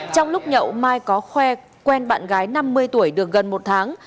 trong lúc nhậu mai có khoe quen bạn gái năm mươi tuổi được gần một tháng